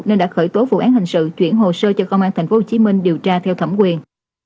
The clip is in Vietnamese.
nên đã khởi tố vụ án hình sự chuyển hồ sơ cho công an tp hcm điều tra theo thẩm quyền